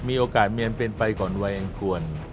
มีโอกาสเมียนเป็นไปก่อนไว่งควร